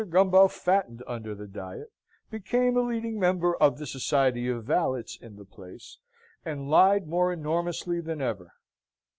Gumbo fattened under the diet, became a leading member of the Society of Valets in the place, and lied more enormously than ever.